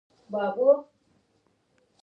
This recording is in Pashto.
لوگر د افغانانو د فرهنګي پیژندنې برخه ده.